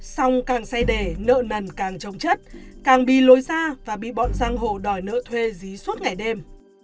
xong càng say đề nợ nần càng trông chất càng bị lôi ra và bị bọn giang hồ đòi nợ thuê dí suốt ngày đêm